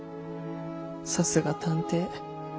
さすが探偵。